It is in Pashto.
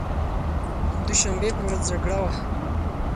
دوشنبې په ورځ جګړه وه.